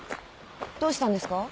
どうしたんですか？